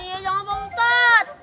iya jangan pak ustadz